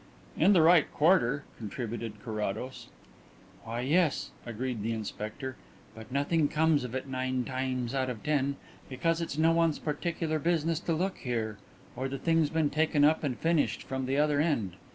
"In the right quarter," contributed Carrados. "Why, yes," agreed the inspector. "But nothing comes of it nine times out of ten, because it's no one's particular business to look here or the thing's been taken up and finished from the other end.